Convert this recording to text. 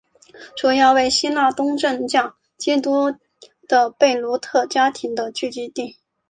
主要为希腊东正教基督徒的贝鲁特家庭的聚居地。